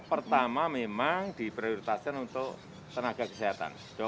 pertama memang diprioritaskan untuk tenaga kesehatan